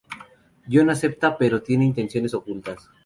John acepta pero tiene intenciones ocultas.